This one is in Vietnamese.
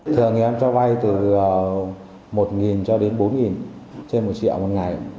thường thì em cho vay từ một cho đến bốn trên một triệu một ngày